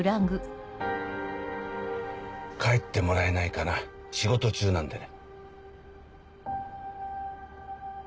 帰ってもらえないかな仕事中なんでね。